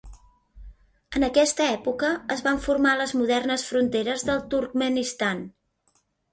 En aquesta època es van formar les modernes fronteres del Turkmenistan.